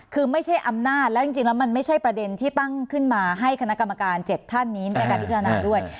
คือไม่ใช่อำนาจแล้วจริงแล้วมันไม่ใช่ประเด็นที่ตั้งขึ้นมาให้คณะกรรมการ๗ท่านนี้ในการพิจารณาด้วย